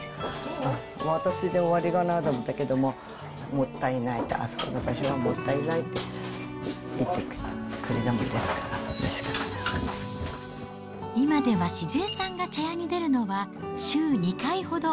私で終わりかなと思ったけど、もったいない、あそこの場所はもったいないって言ってくれたもんですから、うれ今では静恵さんが茶屋に出るのは、週２回ほど。